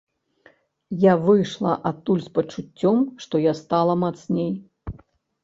Я выйшла адтуль з пачуццём, што я стала мацней.